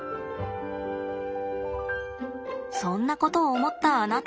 そんなことを思ったあなた。